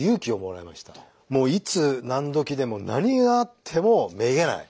もういつ何時でも何があってもめげない。